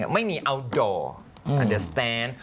ไม่มีอัลโดร์